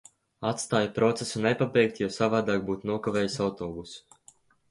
Atstāju procesu nepabeigtu, jo savādāk būtu nokavējusi autobusu.